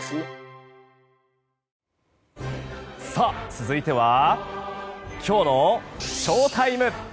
続いてはきょうのＳＨＯＴＩＭＥ。